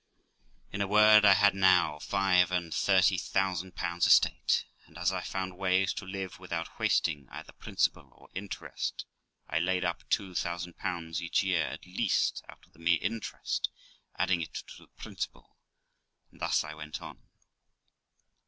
In a word, I had now five and thirty thousand pounds estate; and as I found ways to live without wasting either principal or interest, I laid up 2000 every year at least out of the mere interest, adding it to the principal, and thus I went on.